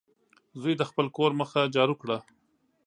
زوی د خپل کور مخه جارو کړه.